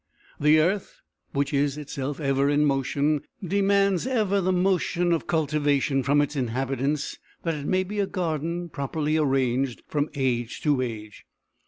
The earth, which is itself ever in motion, demands ever the motion of cultivation from its inhabitants that it may be a garden properly arranged from age to age.